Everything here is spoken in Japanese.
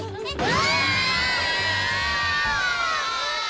わ！